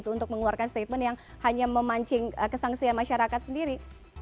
untuk mengeluarkan statement yang hanya memancing kesangsian masyarakat sendiri